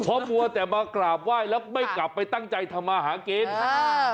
เพราะมัวแต่มากราบไหว้แล้วไม่กลับไปตั้งใจทำมาหากินอ่า